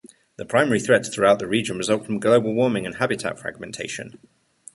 The primary threats throughout the region result from global warming and habitat fragmentation.